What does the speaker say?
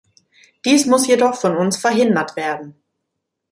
Dies muss jedoch von uns verhindert werden.